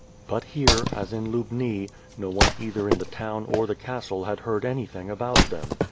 But here, as in Lubni, no one either in the town or the castle had heard anything about them.